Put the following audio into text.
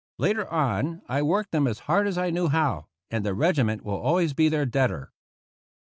Later on I worked them as hard as I knew how, and the regiment will always be their debtor.